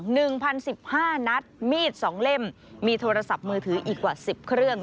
หนึ่งพันสิบห้านัดมีดสองเล่มมีโทรศัพท์มือถืออีกกว่าสิบเครื่อง